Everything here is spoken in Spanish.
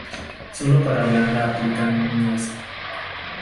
Solo para Holanda aplican niñas.